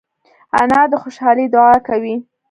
انا د خوشحالۍ دعا کوي